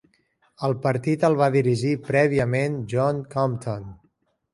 El partit el va dirigir, prèviament, John Compton.